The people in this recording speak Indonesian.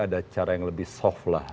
ada cara yang lebih soft lah